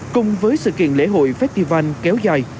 cùng với sự kiện lễ hội festival kéo dài